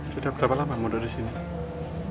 sudah berapa lama mundur di sini